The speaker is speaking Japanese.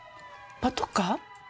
パトカー？